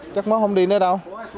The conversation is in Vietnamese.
chắc mới không đi nữa đâu